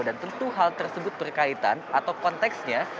dan tentu hal tersebut berkaitan atau konteksnya